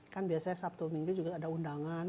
tapi saya sabtu minggu juga ada undangan